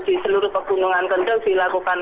di seluruh pegunungan kendol dilakukan